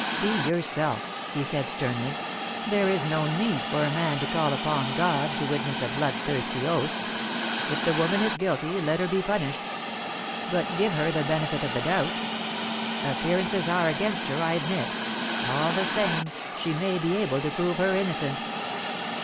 "Be yourself," he said sternly; "there is no need for a man to call upon God to witness a blood thirsty oath. If the woman is guilty, let her be punished. But give her the benefit of the doubt. Appearances are against her, I admit. All the same, she may be able to prove her innocence."